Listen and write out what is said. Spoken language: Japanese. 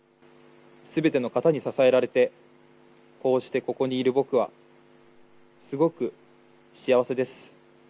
すべての方に支えられてこうして、ここにいる僕はすごく幸せです。